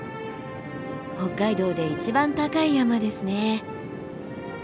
北海道で一番高い山ですね。